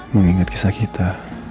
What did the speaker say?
mengingat kisah kita